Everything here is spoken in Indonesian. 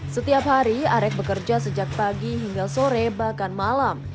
setiap hari arek bekerja sejak pagi hingga sore bahkan malam